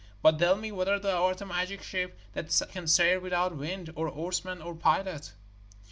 But tell me whether thou art a magic ship that can sail without wind, or oarsmen, or pilot.'